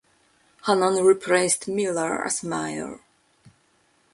Hanan replaced Miller as Mayor.